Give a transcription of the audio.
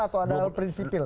atau adalah prinsipil